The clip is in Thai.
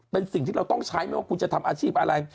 เป็นสิ่งที่เราต้องใช้ไม่ว่าคุณจะทำอาชีพอะไร